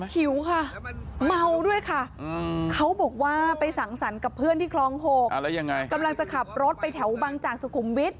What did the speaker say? ขิวค่ะเหมาด้วยค่ะเขาบอกว่าไปสั่งสรรกับเพื่อนที่คลองโหขับเรื่องจะขับรถไปแถวบางจั่งสุขมวิท